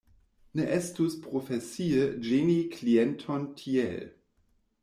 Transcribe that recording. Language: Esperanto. Ne estus profesie ĝeni klienton tiel.